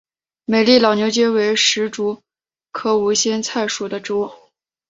美丽老牛筋为石竹科无心菜属的植物。